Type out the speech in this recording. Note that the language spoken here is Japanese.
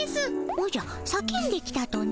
おじゃ叫んできたとな？